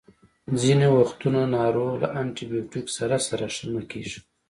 ځینې وختونه ناروغ له انټي بیوټیکو سره سره ښه نه کیږي.